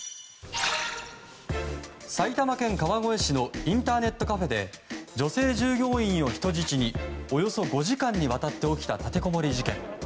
埼玉県川越市のインターネットカフェで女性従業員を人質におよそ５時間にわたって起きた立てこもり事件。